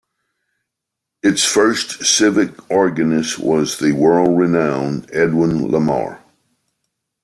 Its first Civic Organist was the world-renowned Edwin Lemare.